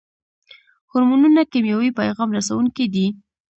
هورمونونه کیمیاوي پیغام رسوونکي دي